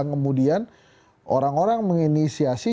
kemudian orang orang menginisiasi